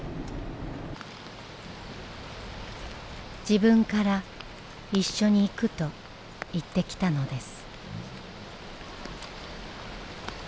自分から「一緒に行く」と言ってきたのです。